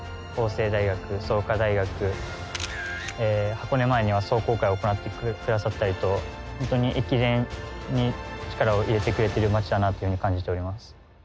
箱根前には壮行会を行ってくださったりと本当に駅伝に力を入れてくれてる街だなというふうに感じております。